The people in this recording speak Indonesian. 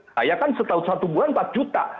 saya kan setahun satu bulan empat juta